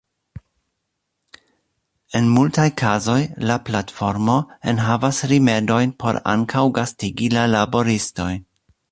En multaj kazoj, la platformo enhavas rimedojn por ankaŭ gastigi la laboristojn.